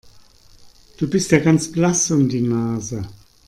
Du bist ja ganz blass um die Nase.